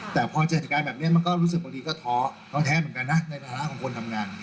แต่พอเจอเหตุการณ์แบบนี้มันก็รู้สึกบางทีก็ท้อท้อแท้เหมือนกันนะในฐานะของคนทำงาน